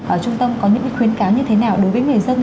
ở trung tâm có những khuyến cáo như thế nào đối với người dân